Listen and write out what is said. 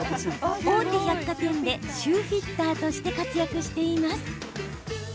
大手百貨店でシューフィッターとして活躍しています。